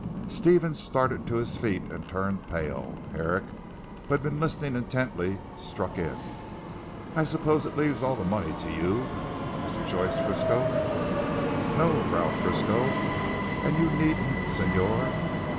Stephen started to his feet and turned pale. Herrick, who had been listening intently, struck in: "I suppose it leaves all the money to you, Mr. Joyce Frisco?" "No," growled Frisco, "and you needn't Señor.